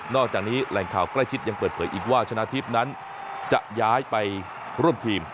อกจากนี้แหล่งข่าวใกล้ชิดยังเปิดเผยอีกว่าชนะทิพย์นั้นจะย้ายไปร่วมทีม